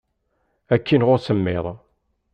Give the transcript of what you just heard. Ad k-ineɣ usemmiḍ.